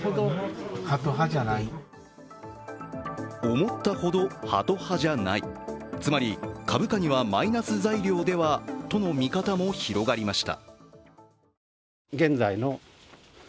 思ったほどハト派じゃない、つまり株価にはマイナス材料ではとの見方も広がりました。